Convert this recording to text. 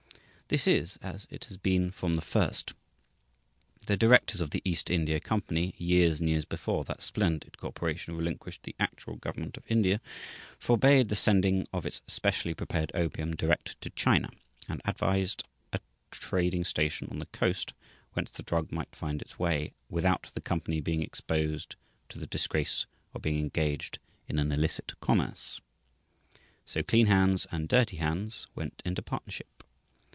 This is as it has been from the first. The directors of the East India Company, years and years before that splendid corporation relinquished the actual government of India, forbade the sending of its specially prepared opium direct to China, and advised a trading station on the coast whence the drug might find its way, "without the company being exposed to the disgrace of being engaged in an illicit commerce." So clean hands and dirty hands went into partnership.